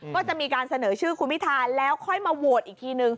ก็จะมีการเสนอชื่อคุณพิธาแล้วค่อยมาโหวตอีกทีนึง